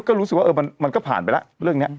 ก็รู้สึกว่ามันก็ผ่านไปแล้วเรื่องนี้